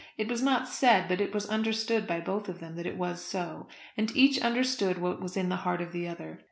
It was not said, but it was understood by both of them that it was so; and each understood what was in the heart of the other.